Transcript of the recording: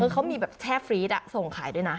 เขามีแบบแช่ฟรีดส่งขายด้วยนะ